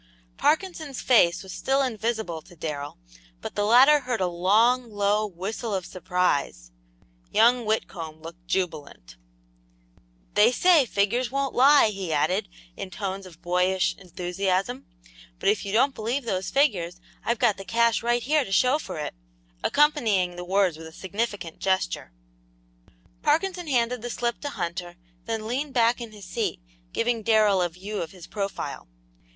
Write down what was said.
Parkinson's face was still invisible to Darrell, but the latter heard a long, low whistle of surprise. Young Whitcomb looked jubilant. "They say figures won't lie," he added, in tones of boyish enthusiasm, "but if you don't believe those figures, I've got the cash right here to show for it," accompanying the words with a significant gesture. Parkinson handed the slip to Hunter, then leaned back in his seat, giving Darrell a view of his profile.